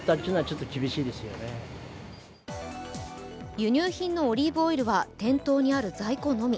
輸入品のオリーブオイルは店頭にある在庫のみ。